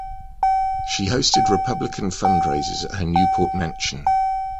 She hosted Republican fundraisers at her Newport mansion.